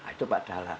itu pak dahlan